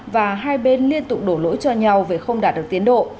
và hai bên liên tục đổ lỗi cho nhau về không đạt được tiến độ